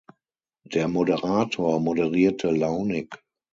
Der Moderator moderierte launig.